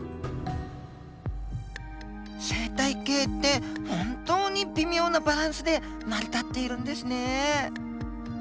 生態系って本当に微妙なバランスで成り立っているんですね。